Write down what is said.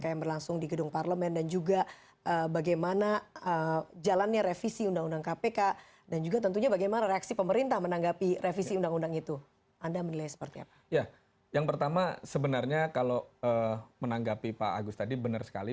yang pertama sebenarnya kalau menanggapi pak agus tadi benar sekali